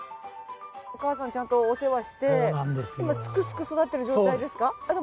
お母さんちゃんとお世話して今すくすく育っている状態ですか？